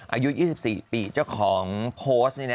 อายุ๒๔ปีเจ้าของโพสต์